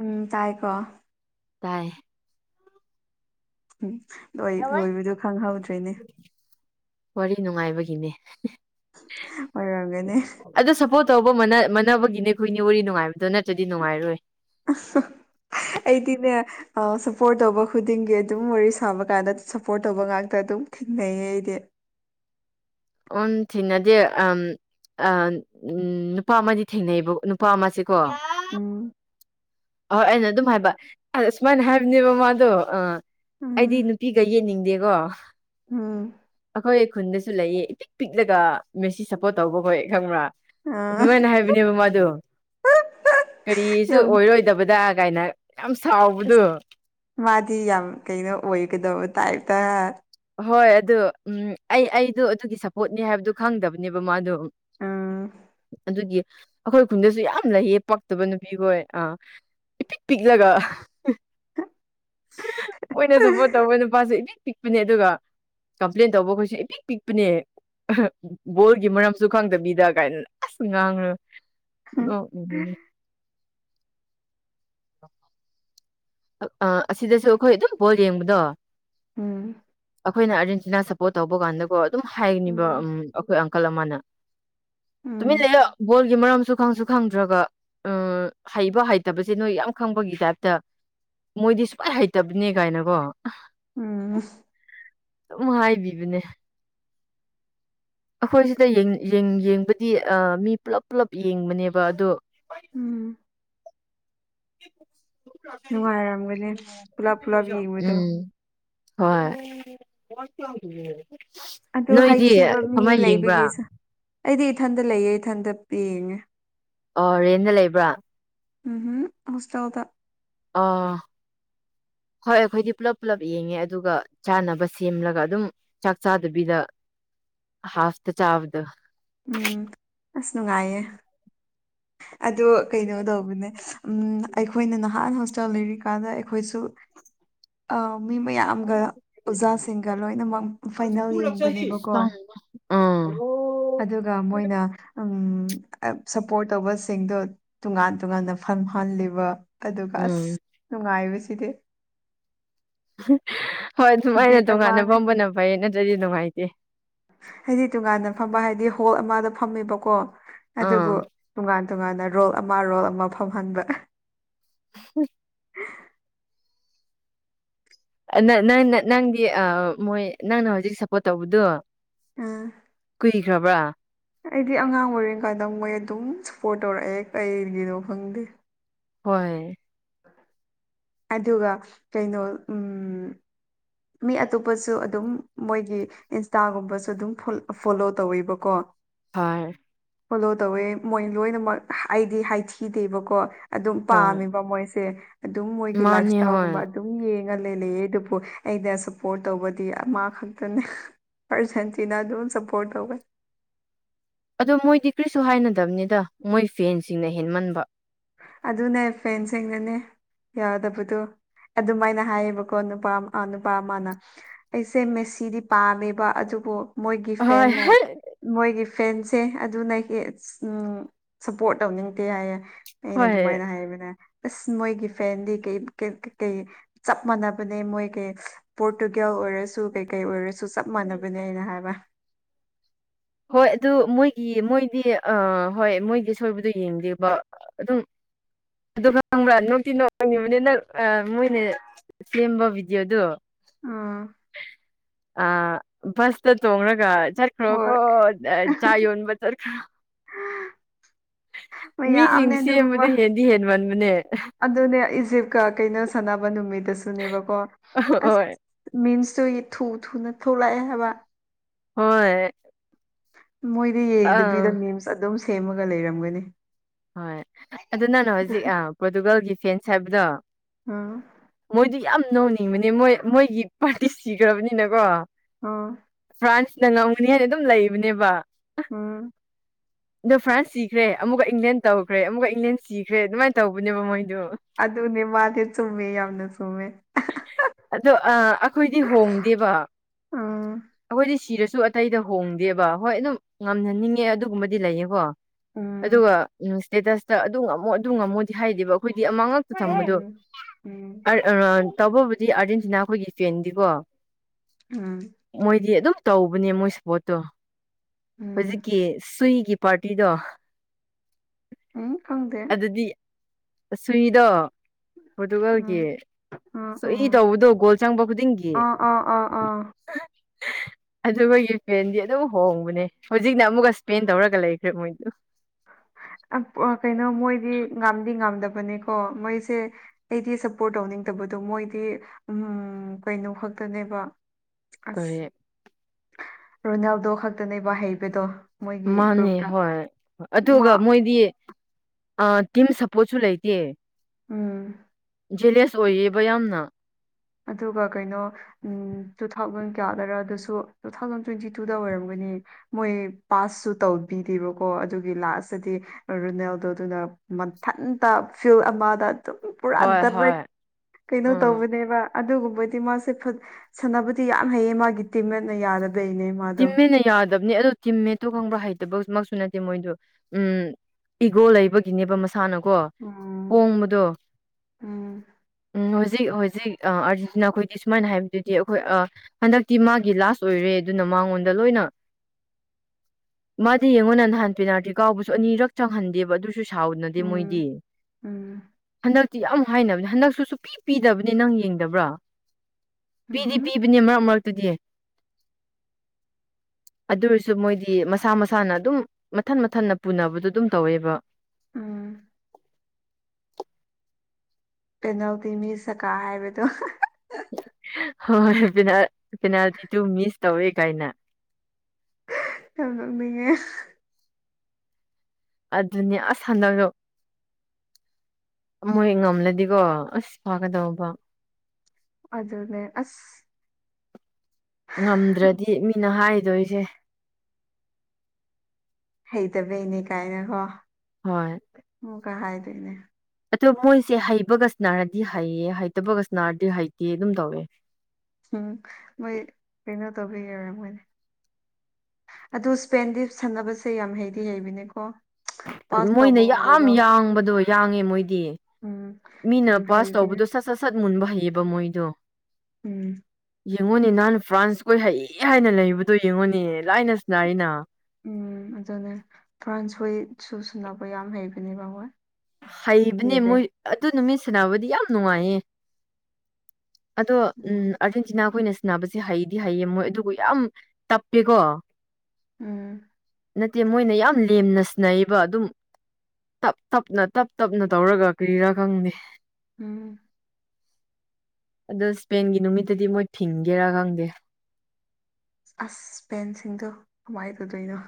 ꯎꯝ ꯇꯥꯏꯀꯣ ꯇꯥꯏ ꯎꯝ ꯂꯣꯏ ꯂꯣꯏꯕꯗꯨ ꯈꯪꯍꯧꯗ꯭ꯔꯦꯅꯦ ꯋꯥꯔꯤ ꯅꯨꯡꯉꯥꯏꯕꯒꯤꯅꯦ ꯑꯣꯏꯔꯝꯒꯅꯤ ꯑꯗꯣ ꯁꯞꯄꯣꯔꯠ ꯇꯧꯕ ꯃꯅꯥ ꯃꯅꯥꯕꯒꯤꯅꯦ ꯈꯣꯏꯅꯤ ꯋꯥꯔꯤ ꯅꯨꯡꯉꯥꯏꯕꯗꯣ ꯅꯠꯇ꯭ꯔꯗꯤ ꯅꯨꯡꯉꯥꯏꯔꯣꯏ ꯑꯩꯗꯤꯅꯦ ꯁꯞꯄꯣꯔꯠ ꯇꯧꯕ ꯈꯨꯗꯤꯡꯒꯤ ꯑꯗꯨꯝ ꯋꯥꯔꯤ ꯁꯥꯕ ꯀꯥꯟꯗ ꯁꯞꯄꯣꯔꯠ ꯇꯧꯕ ꯉꯥꯛꯇ ꯑꯗꯨꯝ ꯊꯦꯡꯅꯩꯌꯦ ꯑꯩꯗꯤ ꯑꯣꯟ ꯊꯦꯡꯅꯗꯦ ꯑꯝ ꯑ ꯅꯨꯄꯥ ꯑꯃꯗꯤ ꯊꯦꯡꯅꯩꯕ ꯅꯨ ꯄꯥ ꯃꯁꯦꯀꯣ ꯑ ꯎꯝ ꯑꯩꯅ ꯑꯗꯨꯝ ꯍꯥꯏꯕ ꯑ ꯑꯁꯨꯃꯥꯏꯅ ꯍꯥꯏꯕꯅꯦꯕ ꯃꯥꯗꯣ ꯑ ꯑꯩꯗꯤ ꯎꯝ ꯅꯨꯄꯤꯒ ꯌꯦꯡꯅꯤꯡꯗꯦꯀꯣ ꯎꯝ ꯑꯩꯈꯣꯏ ꯈꯨꯟꯗꯁꯨ ꯂꯩꯌꯦ ꯏꯄꯤꯛ ꯄꯤꯛꯂꯒ ꯃꯦꯁꯤ ꯁꯞꯄꯣꯔꯠ ꯇꯧꯕ ꯍꯣꯢ ꯈꯪꯕ꯭ꯔꯥ ꯑꯥ ꯑꯗꯨꯃꯥꯏꯅ ꯍꯥꯏꯕꯅꯦꯕ ꯃꯥꯗꯣ ꯀꯔꯤꯁꯨ ꯌꯥꯝ ꯑꯣꯏꯔꯣꯏꯗꯕꯗ ꯀꯥꯏꯅ ꯌꯥꯝ ꯑꯁ ꯁꯥꯎꯕꯗꯣ ꯃꯥꯗꯤ ꯌꯥꯝ ꯀꯩꯅꯣ ꯑꯣꯏꯒꯗꯕ ꯇꯥꯏꯞꯇ ꯍꯣꯏ ꯑꯗꯨ ꯎꯝ ꯑꯩ ꯑꯩꯗꯣ ꯑꯗꯨꯒꯤ ꯁꯄꯣꯠꯅꯦ ꯍꯥꯏꯕꯗꯨ ꯈꯪꯗꯕꯅꯦꯕ ꯃꯥꯗꯣ ꯎꯝ ꯑꯗꯨꯒꯤ ꯑꯈꯣꯏ ꯈꯨꯟꯗꯁꯨ ꯌꯥꯝ ꯂꯩꯌꯦ ꯄꯛꯇꯕ ꯅꯨꯄꯤ ꯍꯣꯏ ꯑ ꯢꯄꯤꯛ ꯄꯤꯛꯂꯒ ꯃꯣꯏꯅ ꯁꯄꯣꯔꯠ ꯇꯧꯕ ꯅꯨꯄꯥꯁꯨ ꯏꯄꯤꯛ ꯄꯤꯛꯄꯅꯦ ꯑꯗꯨꯒ ꯀꯝꯄ꯭ꯂꯦꯟ ꯇꯧꯕ ꯈꯣꯏꯁꯨ ꯏꯄꯤꯛ ꯄꯤꯛꯄꯅꯦ ꯕꯣꯜꯒꯤ ꯃꯔꯝꯁꯨ ꯈꯪꯗꯕꯤꯗ ꯀꯥꯏꯅ ꯑꯁ ꯉꯥꯡꯔ ꯎꯝ ꯅꯣꯛꯅꯤꯡꯉꯦ ꯑ ꯑꯁꯤꯗꯁꯨ ꯑꯩꯈꯣꯏ ꯑꯗꯨꯝ ꯕꯣꯜ ꯌꯦꯡꯕꯗꯣ ꯎꯝ ꯑꯈꯣꯏꯅ ꯑꯥꯔꯖꯦꯟꯇꯤꯅꯥ ꯁꯄꯣꯠ ꯇꯧꯕ ꯀꯥꯟꯗꯀꯣ ꯑꯗꯨꯝ ꯍꯥꯏꯒꯅꯤꯕ ꯎꯝ ꯑꯈꯣꯏ ꯑꯪꯀꯜ ꯑꯃꯅ ꯇꯨꯃꯤꯟ ꯎꯝ ꯂꯩꯌꯣ ꯕꯣꯜꯒꯤ ꯃꯔꯝꯁꯨ ꯈꯪꯁꯨ ꯈꯪꯗ꯭ꯔꯒ ꯑ ꯍꯩꯕ ꯍꯩꯇꯕꯁꯤ ꯁꯦ ꯅꯣꯏ ꯌꯥꯝ ꯈꯪꯕꯒꯤ ꯇꯥꯏꯞꯇ ꯃꯣꯏꯗꯤ ꯁꯨꯄꯥꯏ ꯍꯩꯇꯕꯅꯦ ꯀꯥꯏꯅꯀꯣ ꯎꯝ ꯑꯗꯨꯝ ꯍꯥꯏꯕꯤꯕꯅꯦ ꯑꯩꯈꯣꯏ ꯁꯤꯗ ꯌꯦꯡ ꯌꯦꯡ ꯌꯦꯡꯕꯗꯤ ꯃꯤ ꯄꯨꯂꯞ ꯄꯨꯂꯞ ꯌꯦꯡꯕꯅꯦꯕ ꯑꯗꯣ ꯎꯝ ꯅꯨꯡꯉꯥꯏꯔꯝꯒꯅꯤ ꯄꯨꯂꯞ ꯄꯨꯂꯞ ꯌꯦꯡꯕꯗꯣ ꯎꯝ ꯍꯣꯏ ꯑꯗꯨ ꯅꯣꯏꯗꯤ ꯍꯥꯏꯊꯤꯕ ꯃꯤ ꯀꯃꯥꯏ ꯌꯦꯡꯕ꯭ꯔꯥ ꯂꯩꯕꯒꯤꯁꯨ ꯑꯩꯗꯤ ꯏꯊꯟꯗ ꯂꯩꯌꯦ ꯏꯊꯟꯇ ꯌꯦꯡꯉꯦ ꯑꯣ ꯔꯦꯟꯗ ꯂꯩꯕ꯭ꯔꯥ ꯎꯝꯍꯨꯝ ꯍꯣꯁꯇꯦꯜꯗ ꯑꯥ ꯍꯣꯏ ꯑꯩꯈꯣꯏꯗꯤ ꯄꯨꯂꯞ ꯄꯨꯂꯞ ꯌꯦꯡꯉꯦ ꯑꯗꯨꯒ ꯆꯥꯅꯕ ꯁꯦꯝꯂꯒ ꯑꯗꯨꯝ ꯆꯥꯛ ꯆꯥꯗꯕꯤꯗ ꯍꯥꯐꯇ ꯆꯥꯕꯗ ꯎꯝ ꯑꯁ ꯅꯨꯡꯉꯥꯏꯌꯦ ꯑꯗꯣ ꯀꯩꯅꯣ ꯇꯧꯕꯅꯦ ꯎꯝ ꯑꯩꯈꯣꯏꯅ ꯅꯍꯥꯟ ꯍꯣꯁꯇꯥꯦꯜ ꯂꯩꯔꯤꯀꯥꯟꯗ ꯑꯩꯈꯣꯏꯁꯨ ꯑ ꯃꯤ ꯃꯌꯥꯝꯒ ꯑꯣꯖꯥꯁꯤꯡꯒ ꯂꯣꯏꯅꯃꯛ ꯐꯥꯏꯅꯦꯜ ꯌꯦꯡꯕꯅꯦꯕꯀꯣ ꯎꯝ ꯑꯗꯨꯒ ꯃꯣꯏꯅ ꯁꯄꯣꯔꯠ ꯇꯧꯕꯁꯤꯡꯗꯣ ꯇꯣꯉꯥꯟ ꯇꯣꯉꯥꯟꯅ ꯐꯝ ꯐꯍꯜꯂꯤꯕ ꯑꯗꯨꯒ ꯑꯁ ꯎꯝ ꯅꯨꯡꯉꯥꯏꯕꯁꯤꯗꯤ ꯍꯣꯏ ꯗꯦꯠ ꯑꯗꯨꯃꯥꯏꯅ ꯇꯣꯉꯥꯟꯅ ꯑꯃꯅ ꯐꯝꯕꯅ ꯐꯩꯌꯦ ꯅꯠꯇ꯭ꯔꯗꯤ ꯅꯨꯡꯉꯥꯏꯇꯦ ꯍꯥꯏꯗꯤ ꯇꯣꯉꯥꯟꯅ ꯐꯝꯕ ꯍꯥꯏꯗꯤ ꯍꯣꯜ ꯑꯃꯗ ꯐꯝꯃꯦꯕꯀꯣ ꯑꯥ ꯑꯗꯨꯕꯨ ꯇꯣꯉꯥꯟ ꯇꯣꯉꯥꯟꯅ ꯔꯣꯜ ꯑꯃ ꯔꯣꯜ ꯑꯃ ꯐꯝꯍꯟꯕ ꯎꯠ ꯅ ꯅꯪ ꯅꯪꯗꯤ ꯃꯣꯏ ꯅꯪꯅ ꯍꯧꯖꯤꯛ ꯁꯞꯄꯣꯔꯠ ꯇꯧꯕꯗꯣ ꯎꯝ ꯀꯨꯏꯈ꯭ꯔꯕ꯭ꯔꯥ ꯑꯩꯗꯤ ꯑꯉꯥꯡ ꯑꯣꯏꯔꯤꯉꯩ ꯀꯥꯟꯗ ꯃꯣꯏ ꯑꯗꯨꯝ ꯁꯞꯄꯣꯔꯠ ꯇꯧꯔꯛꯑꯦ ꯀꯩꯒꯤꯅꯣ ꯈꯪꯗꯦ ꯍꯣꯏ ꯑꯗꯨꯒ ꯀꯩꯅꯣ ꯎꯝ ꯃꯤ ꯑꯇꯣꯞꯄꯁꯨ ꯑꯗꯨꯝ ꯃꯣꯏꯒꯤ ꯏꯟꯁꯇꯥꯒꯨꯝꯕꯁꯨ ꯑꯗꯨꯝ ꯐꯣꯂꯣ ꯇꯧꯋꯦꯕꯀꯣ ꯍ ꯐꯣꯂꯣ ꯇꯧꯋꯦ ꯃꯣꯏ ꯂꯣꯏꯅꯃꯛ ꯑꯩꯗꯤ ꯍꯥꯏꯊꯤꯗꯦꯕꯀꯣ ꯑꯗꯨꯝ ꯍꯣꯏ ꯄꯥꯝꯃꯤꯕ ꯃꯣꯏꯁꯦ ꯑꯗꯨꯝ ꯃꯣꯏꯒꯤ ꯂꯥꯏꯞ ꯃꯥꯅꯤ ꯍꯣꯏ ꯏꯁꯇꯥꯏꯜꯒꯨꯝꯕ ꯑꯗꯨꯝ ꯌꯦꯡꯉ ꯂꯩ ꯂꯩꯑꯦ ꯑꯗꯨꯕꯨ ꯑꯩꯩꯅ ꯁꯞꯄꯣꯔꯠ ꯇꯧꯕꯗꯤ ꯑꯃ ꯈꯛꯇꯅꯦ ꯑꯔꯖꯦꯟꯇꯤꯅꯥ ꯑꯗꯨꯝ ꯁꯞꯄꯣꯔꯠ ꯇꯧꯒꯅꯤ ꯑꯗꯣ ꯃꯣꯏꯗꯤ ꯀꯔꯤꯁꯨ ꯍꯥꯏꯅꯗꯕꯅꯤꯗ ꯃꯣꯏ ꯐꯦꯟꯁꯤꯡꯅ ꯍꯦꯟꯃꯟꯕ ꯑꯗꯨꯅꯦ ꯐꯦꯟꯁꯤꯡꯅꯅꯦ ꯌꯥꯗꯕꯗꯣ ꯑꯗꯨꯃꯥꯏꯅ ꯍꯥꯏꯌꯦꯕꯀꯣ ꯅꯨꯄꯥ ꯅꯨꯄꯥ ꯑꯃꯅ ꯑꯩꯁꯦ ꯃꯦꯁꯤꯗꯤ ꯄꯥꯝꯃꯦꯕ ꯑꯗꯨꯕꯨ ꯃꯣꯏꯒꯤ ꯍꯣꯏ ꯐꯦꯟꯅ ꯃꯣꯏꯒꯤ ꯐꯦꯟꯁꯦ ꯑꯗꯨꯅ ꯎ ꯁꯞꯄꯣꯔꯠ ꯇꯧꯅꯤꯡꯗꯦ ꯍꯥꯏꯌꯦꯦ ꯑꯩꯅ ꯍꯣꯏ ꯑꯗꯨꯃꯥꯏꯅ ꯍꯥꯏꯔꯤꯕꯅꯦ ꯑꯁ ꯃꯣꯏꯒꯤ ꯐꯦꯟꯗꯤ ꯀꯩ ꯆꯞ ꯃꯥꯟꯅꯕꯅꯦ ꯃꯣꯏ ꯀꯩ ꯄꯣꯔꯇꯨꯒꯦꯜ ꯑꯣꯏꯔ ꯁꯨ ꯀꯩ ꯀꯩ ꯑꯣꯏꯔꯁꯨ ꯆꯞ ꯃꯥꯟꯅꯕꯅꯦ ꯑꯩꯅ ꯍꯥꯏꯕ ꯍꯣꯏ ꯑꯗꯨ ꯃꯣꯏꯒꯤ ꯃꯣꯏꯗꯤ ꯑ ꯍꯣꯏ ꯃꯣꯏꯗꯤ ꯑꯁꯣꯏꯕꯗꯣ ꯌꯦꯡꯗꯦꯕ ꯑꯗꯨꯝ ꯑꯗꯨ ꯈꯪꯕ꯭ꯔꯥ ꯅꯣꯛꯇꯤ ꯅꯣꯛ ꯍꯪꯉꯤꯕꯅꯦ ꯅꯪ ꯃꯣꯏꯅ ꯁꯦꯝꯕ ꯚꯤꯗꯤꯑꯣꯗꯣ ꯑꯥ ꯑ ꯕꯁꯇ ꯇꯣꯡꯡꯂꯒ ꯆꯠꯈ꯭ꯔꯣꯀꯣ ꯍꯣꯏ ꯆꯥ ꯌꯣꯟꯕ ꯆꯠꯈ꯭ꯔꯣ ꯃꯣꯏ ꯌꯥꯝꯅꯦ ꯑꯗꯨꯒꯨꯝꯕ ꯃꯅꯦ ꯑꯗꯨꯅꯦ ꯏꯖꯤꯞꯀ ꯀꯩꯅꯣ ꯁꯥꯟꯅꯕ ꯅꯨꯃꯤꯠꯇꯁꯨꯅꯦꯕꯀꯣ ꯑꯁ ꯍꯣꯏ ꯃꯤꯟꯁꯇꯨ ꯊꯨ ꯊꯨꯅ ꯊꯣꯛꯂꯛꯑꯦ ꯍꯥꯏꯕ ꯍꯣꯏ ꯃꯣꯏꯗꯤ ꯌꯦꯡꯗꯕꯤꯗ ꯑꯥ ꯃꯤꯝꯁ ꯑꯗꯨꯝ ꯁꯦꯝꯃꯒ ꯂꯩꯔꯝꯒꯅꯤ ꯍꯣꯏ ꯑꯗꯨ ꯅꯅ ꯍꯧꯖꯤꯛ ꯄꯣꯔꯇꯨꯒꯜꯒꯤ ꯐꯦꯟꯁ ꯍꯥꯏꯕꯗꯣ ꯑꯝ ꯃꯣꯏꯗꯨ ꯌꯥꯝ ꯅꯧꯅꯤꯡꯕꯅꯦ ꯃꯣꯏ ꯃꯣꯏꯒꯤ ꯄꯥꯔꯇꯤ ꯁꯤꯈ꯭ꯔꯕꯅꯤꯅꯀꯣ ꯑꯣ ꯐ꯭ꯔꯥꯟꯁꯅ ꯉꯝꯒꯅꯤ ꯍꯥꯏꯅ ꯑꯗꯨꯝ ꯂꯩꯕꯅꯦꯕ ꯎꯝ ꯑꯗꯣ ꯐ꯭ꯔꯥꯟꯁ ꯁꯤꯈ꯭ꯔꯦ ꯑꯃꯨꯛꯀ ꯏꯪꯂꯦꯟ ꯇꯧꯈ꯭ꯔꯦ ꯑꯃꯨꯛꯀ ꯏꯪꯂꯦꯟ ꯁꯤꯈ꯭ꯔꯦ ꯑꯗꯨꯃꯥꯏꯅ ꯇꯧꯕꯅꯦꯕ ꯃꯣꯏꯗꯨ ꯑꯗꯨꯅꯦ ꯃꯥꯗꯤ ꯆꯨꯝꯃꯦ ꯌꯥꯝꯅ ꯆꯨꯝꯃꯦ ꯑꯗꯣ ꯑꯩꯈꯣꯏꯗꯤ ꯍꯣꯡꯗꯦꯕ ꯎꯝ ꯑꯩꯈꯣꯏꯗꯤ ꯁꯤꯔꯁꯨ ꯑꯇꯩꯗ ꯍꯣꯡꯗꯦꯕ ꯍꯣꯏ ꯑꯗꯨꯝ ꯉꯝꯍꯟꯅꯤꯡꯉꯦ ꯑꯗꯨꯒꯨꯝꯕꯗꯤ ꯂꯩꯌꯦꯀꯣ ꯎꯝ ꯑꯗꯨꯒ ꯏꯁꯇꯦꯇꯁꯇ ꯑꯗꯨ ꯉꯝꯃꯣ ꯑꯗꯨ ꯉꯝꯃꯣꯗꯤ ꯍꯥꯏꯗꯦꯕ ꯑꯩꯈꯣꯏꯗꯤ ꯑꯃꯉ ꯊꯝꯕꯗꯣ ꯎꯝ ꯎꯝ ꯇꯧꯕꯕꯨꯗꯤ ꯑꯥꯔꯖꯦꯟꯇꯤꯅꯥ ꯑꯩꯈꯣꯏꯒꯤ ꯆꯦꯟꯗꯤꯀꯣ ꯎꯝ ꯃꯣꯏꯗꯤ ꯑꯗꯨꯝ ꯇꯧꯕꯅꯦ ꯃꯣꯏ ꯁꯄꯣꯠꯇꯣ ꯎꯝ ꯍꯧꯖꯤꯛꯀꯤ ꯁꯨꯏꯒꯤ ꯄꯥꯔꯇꯤꯗꯣ ꯎꯝ ꯈꯪꯗꯦ ꯑꯗꯨꯗꯤ ꯁꯨꯍꯤꯗꯣ ꯄꯣꯔꯇꯨꯒꯜꯒꯤ ꯎꯝ ꯎꯝ ꯁꯨꯏ ꯎꯝ ꯇꯧꯕꯗꯣ ꯒꯣꯜ ꯆꯪꯕ ꯈꯨꯗꯤꯡꯒꯤ ꯑꯥ ꯑꯥ ꯑꯥ ꯑꯥ ꯑꯗꯨ ꯃꯣꯏꯒꯤ ꯐꯦꯟꯗꯤ ꯑꯗꯨꯝ ꯍꯣꯡꯕꯅꯦ ꯍꯧꯖꯤꯛꯅ ꯑꯃꯨꯛꯀ ꯏꯁꯄꯦꯟ ꯇꯧꯔꯒ ꯂꯩꯈ꯭ꯔꯦ ꯃꯣꯏꯗꯨ ꯑ-ꯄ-ꯀꯩꯅꯣ ꯃꯣꯏꯗꯤ ꯉꯥꯝꯗꯤ ꯉꯥꯝꯗꯕꯅꯦꯀꯣ ꯃꯣꯏꯁꯦ ꯑꯩꯗꯤ ꯁꯞꯄꯣꯔꯠ ꯇꯧꯅꯤꯡꯗꯕꯗꯣ ꯃꯣꯏꯗꯤ ꯎꯝ ꯀꯩꯅꯣ ꯈꯛꯇꯅꯦꯕ ꯑꯁ ꯀꯔꯤ ꯔꯣꯅꯥꯜꯗꯣ ꯈꯛꯇꯅꯦꯕ ꯍꯩꯕꯗꯣ ꯃꯣꯏꯒꯤ ꯃꯥꯅꯦ ꯒ꯭ꯔꯨꯞꯇ ꯍꯣꯏ ꯃꯥ ꯑꯗꯨꯒ ꯃꯣꯏꯗꯤ ꯑ ꯇꯤꯝ ꯁꯄꯣꯔꯠꯁꯨ ꯂꯩꯇꯦ ꯎꯝ ꯖꯦꯂꯦꯁ ꯑꯣꯏꯌꯦꯕ ꯌꯥꯝꯅ ꯑꯗꯨꯒ ꯀꯩꯅꯣ ꯎꯝ ꯇꯨ ꯊꯥꯎꯖꯟ ꯀꯌꯥꯗꯔ ꯑꯗꯨꯁꯨ ꯇꯨ ꯊꯥꯎꯖꯟ ꯇ꯭ꯋꯤꯟꯇꯤ ꯇꯨꯗ ꯑꯣꯏꯔꯝꯒꯅꯤ ꯃꯣꯏ ꯄꯥꯁꯁꯨ ꯇꯧꯕꯤꯗꯦꯕꯀꯣ ꯑꯗꯨꯒꯤ ꯂꯥꯁꯇꯗꯤ ꯔꯣꯅꯦꯜꯗꯣꯗꯨꯅ ꯃꯊꯟꯇ ꯐꯤꯜ ꯑꯃꯗ ꯑꯗꯨꯝ ꯄꯨꯔꯥ ꯍꯣꯏ ꯗꯔꯦꯛ ꯍꯣꯏ ꯀꯩꯅꯣ ꯎꯝ ꯇꯧꯕꯅꯦꯕ ꯑꯗꯨꯒꯨꯝꯕꯗꯤ ꯃꯥꯁꯦ ꯐꯨꯠ ꯁꯥꯟꯅꯕꯗꯤ ꯌꯥꯝ ꯍꯩꯌꯦ ꯃꯥꯒꯤ ꯇꯤꯝꯃꯦꯠꯅ ꯌꯥꯗꯕꯩꯅꯦ ꯃꯥꯗꯣ ꯇꯤꯝꯃꯤꯅ ꯌꯥꯗꯕꯅꯤ ꯑꯗꯣ ꯇꯤꯝꯃꯦꯠꯇꯣ ꯈꯪꯕ꯭ꯔꯥ ꯍꯩꯇꯕꯃꯛꯁꯨ ꯅꯠꯇꯦ ꯃꯣꯏꯗ ꯎꯝ ꯏꯒꯣ ꯂꯩꯕꯒꯤꯅꯦꯕ ꯃꯁꯥꯅꯀꯣ ꯎꯝ [inaudible] ꯄꯣꯡꯕꯗꯣ ꯎꯝ ꯎꯝ ꯍꯧꯖꯤꯛ ꯍꯧꯖꯤꯛ ꯑꯥꯔꯖꯦꯟꯇꯤꯅꯥ ꯈꯣꯏꯗꯤ ꯁꯨꯃꯥꯏꯅ ꯍꯥꯏꯕꯗꯨꯗꯤ ꯑꯩꯈꯣꯏ ꯑ ꯍꯟꯗꯛꯇꯤ ꯃꯥꯒꯤ ꯂꯥꯁ ꯑꯣꯏꯔꯦ ꯑꯗꯨꯅ ꯃꯉꯣꯟꯗ ꯂꯣꯏꯅ ꯃꯥꯗꯤ ꯌꯦꯡꯉꯣꯅ ꯅꯍꯥꯟ ꯄꯦꯅꯥꯜꯇꯤ ꯀꯥꯎꯕꯁꯨ ꯑꯅꯤꯔꯛ ꯆꯪꯍꯟꯗꯦꯕ ꯑꯗꯨ ꯁꯨ ꯁꯥꯎꯅꯗꯦ ꯃꯣꯏꯗꯤ ꯎꯝ ꯎꯝ ꯍꯟꯗꯛꯇꯤ ꯌꯥꯝ ꯍꯥꯏꯅꯕꯅꯦ ꯍꯟꯗꯛꯁꯨꯁꯨ ꯄꯤ ꯄꯤꯗꯕꯅꯤ ꯅꯪ ꯌꯦꯡꯗꯕ꯭ꯔꯥ ꯄꯤꯗꯤ ꯄꯤ ꯎꯝ ꯏꯅꯤ ꯃꯔꯛ ꯃꯔꯛꯇꯨꯗꯤ ꯑꯗꯨꯔꯁꯨ ꯃꯣꯏꯗꯤ ꯃꯁꯥ ꯃꯁꯥꯅ ꯑꯗꯨꯝ ꯃꯊꯟ ꯃꯊꯟꯅ ꯄꯨꯅꯕꯗꯣ ꯑꯗꯨꯝ ꯇꯧꯋꯦꯕ ꯎꯝ ꯄꯦꯅꯥꯜꯇꯤ ꯃꯤ ꯁꯀꯥ ꯍꯥꯏꯕꯗꯣ ꯍꯣꯏꯣꯏ ꯄꯦꯅꯥ-ꯄꯦꯅꯥꯜꯇꯤꯗꯨ ꯃꯤꯁ ꯇꯧꯋꯦ ꯀꯥꯏꯅ ꯌꯥꯝ ꯅꯦꯛꯅꯤꯡꯉꯦ ꯑꯗꯨꯅꯦ ꯑꯁ ꯍꯟꯗꯗꯣ ꯃꯣꯏ ꯉꯝꯂꯗꯤꯀꯣ ꯑꯁ ꯐꯥꯒꯗꯧꯕ ꯑꯗꯨꯅꯦ ꯑꯁ ꯉꯝꯗ꯭ꯔꯗꯤ ꯃꯤꯅ ꯍꯥꯏꯗꯣꯏꯁꯦ ꯍꯩꯇꯕꯩꯅꯦ ꯀꯥꯏꯅꯀꯣ ꯍꯣꯏ ꯑꯃꯨꯛꯒ ꯍꯥꯏꯗꯣꯏꯅꯦ ꯑꯗꯣ ꯃꯣꯏꯁꯦ ꯍꯩꯕꯒ ꯁꯥꯅꯥꯔꯗꯤ ꯍꯩꯌꯦ ꯍꯩꯇꯕꯒ ꯁꯥꯅꯥꯔꯗꯤ ꯍꯩꯇꯦ ꯑꯗꯨꯝ ꯇꯧꯋꯦ ꯎꯝ ꯃꯣꯏ ꯀꯩꯅꯣ ꯇꯧꯕꯒꯤ ꯑꯣꯏꯔꯝꯒꯅꯤ ꯑꯗꯨ ꯁ꯭ꯄꯦꯟꯗꯤ ꯁꯥꯟꯅꯕꯁꯦ ꯌꯥꯝ ꯍꯩꯗꯤ ꯍꯩꯕꯅꯦꯀꯣ ꯄꯥꯁ ꯃꯣꯏꯅ ꯌꯥꯝ ꯇꯧꯕꯒꯨꯝꯕꯗꯣ ꯌꯥꯡꯕꯗꯣ ꯌꯥꯡꯉꯦ ꯃꯣꯏꯗꯤ ꯎꯝ ꯃꯤꯅ ꯌꯥꯝ ꯍꯩ ꯄꯥꯁ ꯇꯧꯕꯗꯣ ꯁꯠ ꯁꯠ ꯁꯠ ꯃꯨꯟꯕ ꯍꯩꯌꯦꯕ ꯃꯣꯏꯗꯣ ꯎꯝ ꯌꯦꯡꯉꯣꯅꯦ ꯅꯍꯥꯟ ꯐ꯭ꯔꯥꯟꯁꯈꯣꯏ ꯍꯩ ꯍꯥꯏꯅ ꯂꯩꯕꯗꯣ ꯌꯦꯡꯉꯣꯅꯦ ꯂꯥꯏꯅ ꯁꯥꯟꯅꯩꯅ ꯎꯝ ꯑꯗꯨꯅꯦ ꯐ꯭ꯔꯥꯟꯁ ꯍꯣꯏꯁꯨꯨ ꯁꯅꯕ ꯌꯥꯝ ꯍꯩꯕꯅꯦ ꯕ ꯍꯣꯏ ꯍꯩꯕꯅꯦ ꯃꯣꯏ ꯑꯗꯨ ꯅꯨꯃꯤꯠ ꯁꯥꯟꯅꯕꯗꯤ ꯌꯥꯝ ꯅꯨꯡꯉꯥꯏꯌꯦ ꯑꯗꯣ ꯎꯝ ꯑꯥꯔꯖꯦꯟꯇꯤꯅꯥ ꯈꯣꯏꯅ ꯁꯥꯟꯅꯅꯕꯁꯦ ꯍꯩꯗꯤ ꯍꯩꯌꯦ ꯃꯣꯏ ꯑꯗꯨꯕꯨ ꯌꯥꯝ ꯇꯞꯄꯦꯀꯣ ꯎꯝ ꯅꯠꯇꯦ ꯃꯣꯏꯅ ꯌꯥꯝ ꯂꯦꯝꯅ ꯁꯤꯟꯅꯩꯕ ꯑꯗꯨꯝ ꯇꯞ ꯇꯞꯅ ꯇꯞ ꯇꯞꯅ ꯇꯧꯔꯒ ꯀ꯭ꯔꯤꯔꯥ ꯈꯪꯗꯦ ꯎꯝ ꯑꯗꯣ ꯁ꯭ꯄꯦꯟꯒꯤ ꯅꯨꯃꯤꯠꯇꯗꯤ ꯃꯣꯏ ꯊꯤꯡꯒꯦꯔꯥ ꯈꯪꯗꯦ ꯑꯁ ꯏ꯭ꯁꯄꯦꯟꯁꯤꯡꯗꯣ ꯀꯃꯥꯏꯅ ꯇꯧꯗꯣꯏꯅꯣ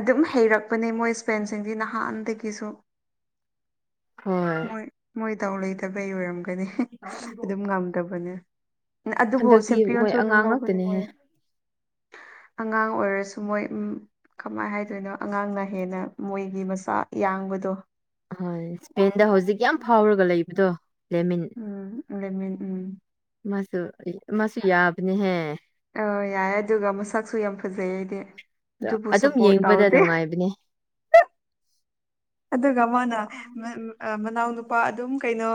ꯑꯗꯨꯝ ꯍꯩꯔꯛꯄꯅꯦ ꯃꯣꯏ ꯏ꯭ꯁꯄꯦꯟꯁꯤꯡꯗꯤ ꯅꯍꯥꯟꯗꯒꯤꯁꯨ ꯍꯣꯏ ꯃꯣꯏ-ꯃꯣꯏ ꯗꯥꯎ ꯂꯩꯇꯕꯩ ꯑꯣꯏꯔꯝꯒ ꯑꯗꯨꯝ ꯉꯝꯗꯕꯅꯦ ꯑꯗꯨꯕꯨ ꯍꯟꯗꯛꯇꯤ ꯃꯣꯏ ꯆꯦꯝꯄꯤꯌꯣꯟꯁꯨ ꯑꯗꯨꯝ ꯑꯉꯥꯡ ꯂꯧꯒꯅꯤ ꯉꯥꯛꯇꯅꯦꯍꯦ ꯃꯣꯏꯅ ꯑꯉꯥꯡ ꯑꯣꯏꯔꯁꯨ ꯃꯣꯏ ꯎꯝ ꯀꯃꯥꯏꯅ ꯍꯥꯏꯗꯣꯏꯅꯣ ꯑꯉꯥꯡꯅ ꯍꯦꯟꯅ ꯃꯣꯏꯒꯤ ꯃꯁꯥ ꯌꯥꯡꯕꯗꯣ ꯍꯣꯏ ꯏꯁꯄꯦꯟꯗ ꯍꯧꯖꯤꯛ ꯌꯥꯝ ꯐꯥꯎꯔꯒ ꯂꯩꯕꯗꯣ ꯂꯦꯃꯤꯟ ꯎꯝ ꯂꯦꯃꯤꯟ ꯎꯝ ꯃꯥꯁꯨ-ꯃꯥꯁꯨ ꯌꯥꯕꯅꯦꯍꯦ ꯑ ꯌꯥꯏꯌꯦ ꯑꯗꯨꯒ ꯃꯁꯛꯁꯨ ꯌꯥꯝ ꯐꯖꯩ ꯑꯩꯗꯤ ꯑꯗꯨꯕꯨ ꯑꯗꯨꯝ ꯁꯞꯄꯣꯔꯠ ꯌꯦꯡꯕꯗ ꯇꯧꯗꯦ ꯅꯨꯡꯉꯥꯏꯕꯅꯦ ꯑꯗꯨꯒ ꯃꯥꯅ ꯃ-ꯎꯝ-ꯃꯅꯥꯎꯅꯨꯄꯥ ꯑꯗꯨꯝ ꯀꯩꯅꯣ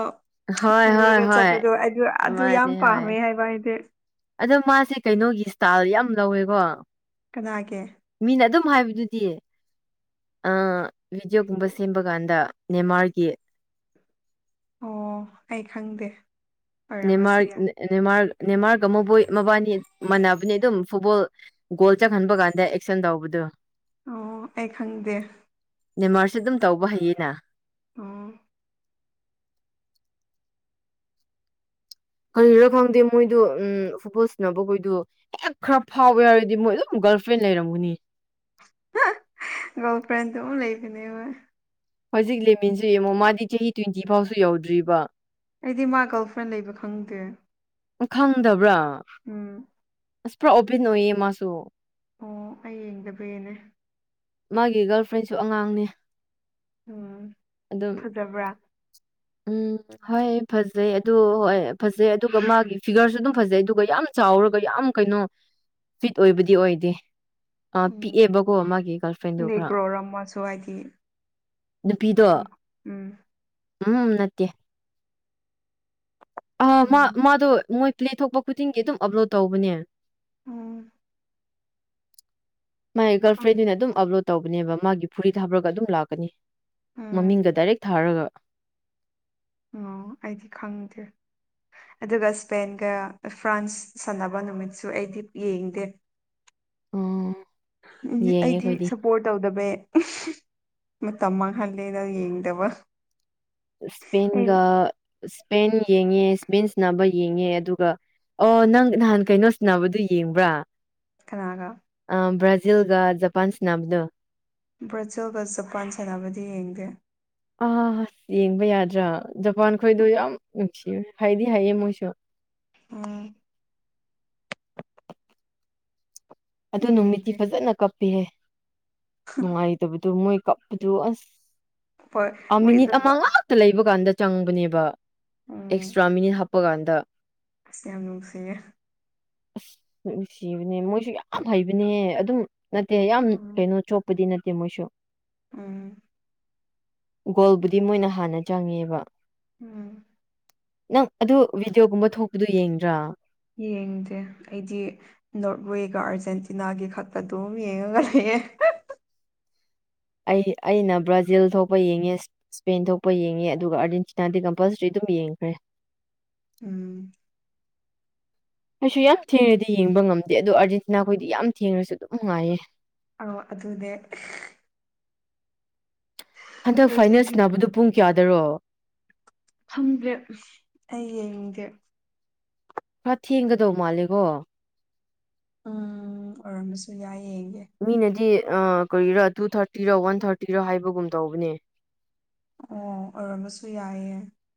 ꯍꯣꯏ ꯍꯣꯏ ꯄꯨꯔꯒ ꯍꯣꯏ ꯆꯠꯄꯗꯣ ꯑꯗꯨ ꯌꯥꯝ ꯃꯥꯅꯤ ꯍꯣꯏ ꯄꯥꯝꯃꯦ ꯍꯥꯏꯕ ꯍꯥꯏꯗꯤ ꯑꯗꯣ ꯃꯥꯁꯦ ꯀꯩꯅꯣꯒꯤ ꯏꯁꯇꯥꯥꯏꯜ ꯌꯥꯝ ꯂꯧꯋꯦꯀꯣ ꯀꯅꯥꯒꯤ ꯃꯤꯅ ꯑꯗꯨꯝ ꯍꯥꯏꯕꯗꯨꯗꯤ ꯑ ꯕꯤꯗꯤꯑꯣꯒꯨꯝꯕ ꯁꯦꯝꯕ ꯀꯥꯟꯗ ꯅꯦꯃꯥꯔꯒꯤ ꯑꯣ ꯑꯩ ꯈꯪꯗꯦ ꯑꯣꯏꯔꯝꯕꯁꯨ ꯌꯥꯏ ꯅꯦꯃꯥꯔ-ꯅꯦꯃꯥꯔ-ꯅꯦꯃꯥꯔꯒ ꯃꯣꯏ ꯃꯕꯥꯅꯤ ꯃꯥꯟꯅꯕꯅꯤ ꯑꯗꯨꯝ ꯐꯨꯠꯕꯣꯜ ꯒꯣꯜ ꯆꯪꯍꯟꯕ ꯀꯥꯟꯗ ꯑꯦꯛꯁꯟ ꯇꯧꯕꯗꯨ ꯑꯣ-ꯑꯩ ꯈꯪꯗꯦ ꯅꯤꯃꯔꯁꯦ ꯑꯗꯨꯝ ꯇꯧꯕ ꯍꯩꯌꯦꯅ ꯑꯣ ꯀꯔꯤꯔ ꯈꯪꯗꯦ ꯃꯣꯏꯗꯣ ꯎꯝ ꯐꯨꯠꯕꯣꯜ ꯁꯤꯅꯕꯈꯣꯏꯗꯣ ꯍꯦꯛ ꯈꯔ ꯐꯥꯎꯋꯦ ꯌꯥꯎꯔꯗꯤ ꯃꯣꯏ ꯑꯗꯨꯝ ꯒꯔꯜ ꯐ꯭ꯔꯦꯟ ꯂꯩꯔꯝꯒꯅꯤ ꯒꯥꯔꯜ ꯐ꯭ꯔꯦꯟꯗꯨꯝ ꯂꯩꯕꯅꯦꯕ ꯍꯧꯖꯤꯛ ꯂꯦꯃꯤꯟꯁꯨ ꯌꯦꯡꯉꯣ ꯃꯥꯗꯤ ꯆꯍꯤ ꯇ꯭ꯋꯦꯟꯇꯤ ꯐꯥꯎꯁꯨ ꯌꯧꯗ꯭ꯔꯤꯕ ꯑꯩꯗꯤ ꯃꯥ ꯒꯔꯜ ꯐ꯭ꯔꯦꯟ ꯂꯩꯕ ꯈꯪꯗꯦ ꯅꯪ ꯈꯪꯗꯕ꯭ꯔꯥ ꯎꯝ ꯑꯁ ꯄꯨꯔꯥ ꯑꯣꯄꯦꯟ ꯑꯣꯏꯌꯦ ꯃꯥꯁꯨ ꯑꯣ ꯑꯩ ꯌꯦꯡꯗꯕꯩꯅꯦ ꯃꯥꯒꯤ ꯒꯥꯔꯜ ꯐ꯭ꯔꯦꯟꯁꯨ ꯑꯉꯥꯡꯅꯦ ꯎꯝ ꯑꯗꯨꯝ ꯐꯖꯕ꯭ꯔꯥ ꯎꯝ ꯍꯣꯏ ꯐꯖꯩ ꯑꯗꯨ ꯍꯣꯏ ꯐꯖꯩ ꯑꯗꯨꯒ ꯃꯥꯒꯤ ꯐꯤꯒꯔꯁꯨ ꯑꯗꯨꯝ ꯐꯖꯩ ꯑꯗꯨꯒ ꯌꯥꯝ ꯆꯥꯎꯔꯒ ꯌꯥꯝ ꯀꯩꯅꯣ ꯐꯤꯠ ꯑꯣꯏꯕꯗꯤ ꯑꯣꯏꯗꯦ ꯄꯤꯛꯑꯦꯕꯀꯣ ꯃꯥꯒꯤ ꯐ꯭ꯔꯦꯟꯗꯣ ꯈꯔ ꯅꯦꯈ꯭ꯔꯣꯔ ꯑꯃꯁꯨ ꯍꯥꯏꯗꯤ ꯅꯨꯄꯤꯗꯣ ꯎꯝ ꯎꯝ ꯅꯠꯇꯦ ꯑ ꯃꯥ ꯎꯝ ꯃꯥꯗꯣ ꯃꯣꯏ ꯄ꯭ꯂꯦ ꯊꯣꯛꯄ ꯈꯨꯗꯤꯡꯒꯤ ꯑꯗꯨꯝ ꯑꯞꯂꯣꯗ ꯇꯧꯕꯅꯦ ꯎꯝ ꯃꯥꯒꯤ ꯒꯔꯜ ꯈꯪ ꯐ꯭ꯔꯦꯟꯗꯨꯅ ꯑꯗꯨꯝ ꯑꯞꯂꯣꯗ ꯇꯧꯕꯅꯦꯕ ꯃꯥꯒꯤ ꯐꯨꯔꯤꯠ ꯍꯥꯞꯔꯒ ꯑꯗꯨꯝ ꯂꯥꯛꯀꯅꯤ ꯎꯝ ꯃꯃꯤꯡꯗ ꯗꯥꯏꯔꯦꯛ ꯊꯥꯔꯒ ꯑꯣ ꯑꯩꯗꯤ ꯈꯪꯗꯦ ꯑꯗꯨꯒ ꯏꯁꯄꯦꯟꯒ ꯐ꯭ꯔꯥꯟꯁ ꯁꯥꯟꯅꯕ ꯅꯨꯃꯤꯠꯁꯨ ꯑꯩꯗꯤ ꯌꯦꯡꯗꯦ ꯑꯣ ꯎ ꯌꯦꯡꯉꯦ ꯑꯩꯗꯤ ꯑꯩꯈꯣꯏꯗꯤ ꯁꯄꯣꯔꯠ ꯇꯧꯗꯕꯩ ꯎꯝ-ꯃꯇꯝ ꯃꯥꯡꯍꯜꯂꯦꯅ ꯌꯦꯡꯗꯕ ꯑꯩ ꯏ꯭ꯁꯄꯦꯟꯒ ꯏ꯭ꯁꯄꯦꯟ ꯌꯦꯡꯉꯦ ꯏ꯭ꯁꯄꯦꯟ ꯁꯅꯕ ꯌꯦꯡꯉꯦ ꯑꯗꯨꯒ ꯑꯣ ꯅꯪ ꯅꯍꯥꯟ ꯀꯩꯅꯣ ꯁꯤꯟꯅꯕꯗꯨ ꯌꯦꯡꯕ꯭ꯔꯥ ꯀꯅꯥꯒ ꯑ ꯕ꯭ꯔꯥꯖꯤꯜꯒ ꯖꯄꯥꯟ ꯁꯤꯅꯕꯗꯣ ꯕ꯭ꯔꯥꯖꯤꯜꯒ ꯖꯄꯥꯟ ꯁꯥꯟꯅꯕꯗꯤ ꯌꯦꯡꯗꯦ ꯑꯥꯥ ꯌꯦꯡꯕ ꯌꯥꯗ꯭ꯔꯥ ꯖꯄꯥꯟ ꯈꯣꯏꯗꯣ ꯌꯥꯝ ꯅꯨꯡꯁꯤꯌ ꯍꯥꯏꯗꯤ ꯍꯥꯏꯌꯦ ꯃꯣꯏꯁꯨ ꯎꯝ ꯑꯗ ꯅꯨꯃꯤꯠꯇꯤ ꯌꯦꯡꯗꯦ ꯐꯖꯅ ꯀꯞꯄꯤꯔꯦ ꯅꯨꯡꯉꯥꯏꯗꯕꯗꯤ ꯑꯗꯨ ꯃꯣꯏ ꯀꯞꯄꯗꯨ ꯑꯁ ꯍꯣꯏ ꯑ ꯃꯤꯅꯤꯠ ꯃꯣꯏꯖ ꯑꯃꯉꯥ ꯠꯇ ꯂꯩꯕ ꯀꯥꯟꯗ ꯆꯪꯕꯅꯦꯕ ꯎꯝ ꯑꯦꯛꯁꯇ꯭ꯔꯥ ꯃꯤꯅꯤꯠ ꯍꯥꯞꯄꯀꯥꯟꯗ ꯑꯁ ꯌꯥꯝ ꯅꯨꯡꯁꯤꯌꯦ ꯑꯁ ꯅꯨꯡꯁꯤꯕꯅꯦ ꯃꯣꯏꯁꯨ ꯌꯥꯝ ꯍꯩꯕꯅꯦ ꯑꯗꯨꯝ ꯅꯠꯇꯦ ꯌꯥꯝ ꯎꯝ ꯀꯩꯅꯣ ꯆꯣꯛꯄꯗꯤ ꯅꯠꯇꯦ ꯃꯣꯏꯁꯨ ꯎꯝ ꯒꯣꯜꯕꯨꯗꯤ ꯃꯣꯏꯅ ꯍꯥꯟꯅ ꯆꯪꯉꯦꯕ ꯎꯝ ꯅꯪ ꯑꯗꯨ ꯚꯤꯗꯤꯑꯣꯒꯨꯝꯕ ꯊꯣꯛꯄꯗꯨ ꯌꯦꯡꯗ꯭ꯔꯥ ꯌꯦꯡꯗꯦ ꯑꯩꯗꯤ ꯅꯣꯔꯠꯋꯦꯒ ꯑꯥꯔꯖꯦꯟꯇꯤꯅꯥꯒꯤ ꯈꯠꯄ ꯑꯗꯨꯝ ꯌꯦꯡꯉꯒ ꯂꯩꯌꯦ ꯑꯩ ꯑꯩꯅ ꯕ꯭ꯔꯥꯖꯤꯜ ꯊꯣꯛꯄ ꯌꯦꯡꯉꯦ ꯏꯁꯄꯦꯟ ꯊꯣꯛꯄ ꯌꯦꯡꯉꯦ ꯑꯗꯨꯒ ꯑꯥꯔꯖꯦꯟꯇꯤꯅꯥꯗꯤ ꯀꯝꯄꯜꯁꯔꯤ ꯑꯗꯨꯝ ꯌꯦꯡꯈ꯭ꯔꯦ ꯎꯝ ꯑꯩꯁꯨ ꯌꯥꯝ ꯊꯦꯡꯅꯗꯤ ꯌꯦꯡꯕ ꯉꯝꯗꯦ ꯑꯗꯣ ꯑꯥꯔꯖꯦꯟꯇꯤꯅꯥ ꯈꯣꯏꯗꯤ ꯌꯥꯝ ꯊꯦꯡꯉꯁꯨ ꯑꯗꯨꯝ ꯅꯨꯡꯉꯥꯏꯌꯦ ꯑ ꯑꯗꯨꯅꯦ ꯍꯟꯗꯛ ꯐꯥꯏꯅꯥꯜꯁ ꯑꯥꯔꯖꯦꯟꯇꯤꯅꯥ ꯅꯥꯕꯗꯨꯣ ꯄꯨꯡ ꯀꯌꯥꯗꯔꯣ ꯈꯪꯗ꯭ꯔꯦ ꯑꯩ ꯌꯦꯡꯗꯦ ꯄꯨꯔꯥ ꯊꯦꯡꯒꯗꯧ ꯃꯥꯜꯂꯦꯀꯣ ꯎꯝ ꯑꯣꯏꯔꯝꯃꯁꯨ ꯌꯥꯏ ꯌꯦꯡꯒꯦ ꯃꯤꯅꯗꯤ ꯀꯔꯤꯔꯣ ꯇꯨ ꯊꯥꯔꯇꯤꯔꯣ ꯋꯥꯟ ꯊꯥꯔꯇꯤꯔꯣ ꯍꯥꯏꯕꯒꯨꯝ ꯇꯧꯕꯅꯦ ꯑꯣ ꯑꯣꯏꯔꯝꯃꯁꯨ ꯌꯥꯏ